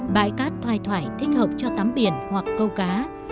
bãi cát thoai thoải thích hợp cho tắm biển hoặc câu cá